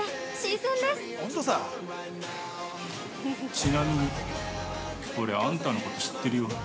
◆ちなみに、俺あんたのこと知ってるよ。